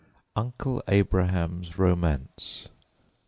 UNCLE ABRAHAM'S ROMANCE.